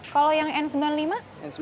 kalau yang n sembilan puluh lima